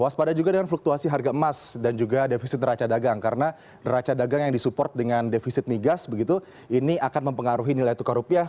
waspada juga dengan fluktuasi harga emas dan juga defisit neraca dagang karena neraca dagang yang disupport dengan defisit migas begitu ini akan mempengaruhi nilai tukar rupiah